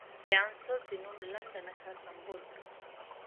د عنصر د نوم لنډه نښه سمبول دی.